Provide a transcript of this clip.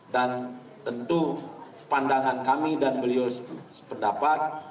dan tentu pandangan kami dan beliau sependapat